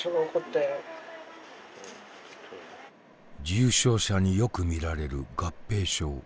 重症者によく見られる合併症。